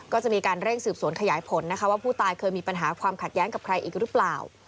ก็จะมีการเร่งสืบสวนขยายผลนะคะว่าผู้ตายเคยมีปัญหาความขัดแย้งกับใครอีกหรือเปล่า